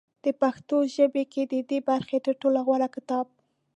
په پښتو ژبه کې د دې برخې تر ټولو غوره کتاب